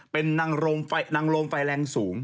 เป็นนางลมไฟแรงสูง